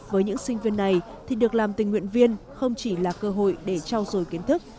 với những sinh viên này thì được làm tình nguyện viên không chỉ là cơ hội để trao dồi kiến thức